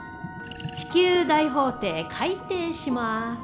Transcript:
「地球大法廷」開廷します。